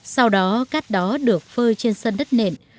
sau đó cát đó được phơi trên sân đất nền